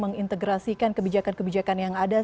saya harus mengingatkan kebijakan kebijakan yang ada di indonesia